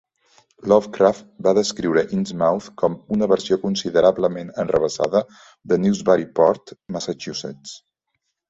Lovecraft va descriure Innsmouth com "una versió considerablement enrevessada de Newburyport", Massachusetts.